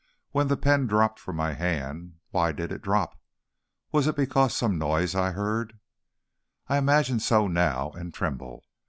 When the pen dropped from my hand why did it drop? Was it because of some noise I heard? I imagine so now, and tremble.